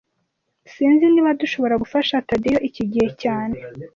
Sinzi niba dushobora gufasha Tadeyo iki gihe cyane